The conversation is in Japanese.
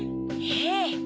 ええ。